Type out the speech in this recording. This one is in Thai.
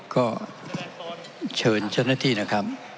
ก็เชิญเจ้าหน้าที่นะครับ